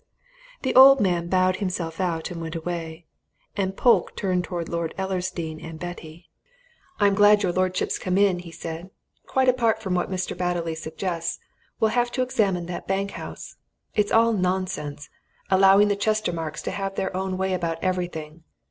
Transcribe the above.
The old man bowed himself out and went away, and Polke turned to Lord Ellersdeane and Betty. "I'm glad your lordship's come in," he said. "Quite apart from what Mr. Batterley suggests, we'll have to examine that bank house. It's all nonsense allowing the Chestermarkes to have their own way about everything!